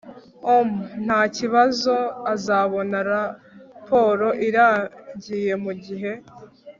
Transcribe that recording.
om ntakibazo azabona raporo irangiye mugihe